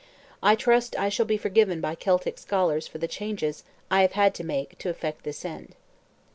I trust I shall be forgiven by Celtic scholars for the changes I have had to make to effect this end.